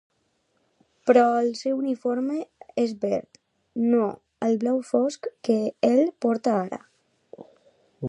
Però el seu uniforme és verd, no el blau fosc que ell porta ara.